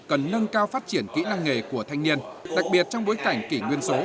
cần nâng cao phát triển kỹ năng nghề của thanh niên đặc biệt trong bối cảnh kỷ nguyên số